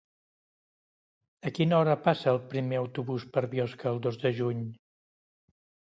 A quina hora passa el primer autobús per Biosca el dos de juny?